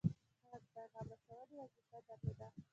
هغه د پیغام رسوونکي وظیفه درلوده.